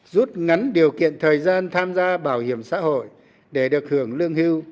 rút ngắn điều kiện thời gian tham gia bảo hiểm xã hội để được hưởng lương hưu